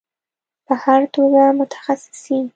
په هر توګه متخصصین